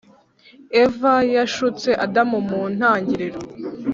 Eva yashutse adamu mu ntangiriro